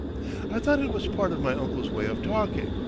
I thought it was part of my uncle's way of talking.